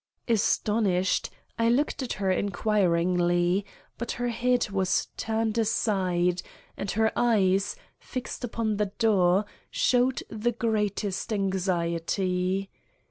Astonished, I looked at her inquiringly, but her head was turned aside, and her eyes, fixed upon the door, showed the greatest anxiety.